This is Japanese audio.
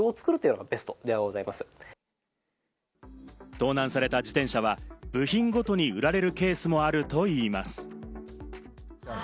盗難された自転車は、部品ごとに売られるケースもあるといいます。